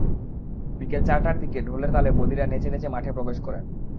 বিকেল চারটার দিকে ঢোলের তালে বলীরা নেচে নেচে মাঠে প্রবেশ করেন।